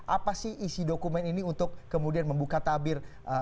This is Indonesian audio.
apa sih isi dokumen ini untuk kemudian membuka tabir